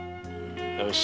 よし！